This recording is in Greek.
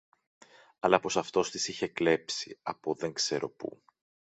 αλλά πως αυτός τις είχε κλέψει από δεν ξέρω που